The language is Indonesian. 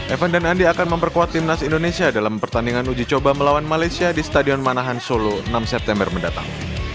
evan dan andi akan memperkuat timnas indonesia dalam pertandingan uji coba melawan malaysia di stadion manahan solo enam september mendatang